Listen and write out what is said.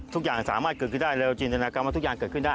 ทุกอย่างสามารถเกิดขึ้นได้เร็วจินตนากรรมว่าทุกอย่างเกิดขึ้นได้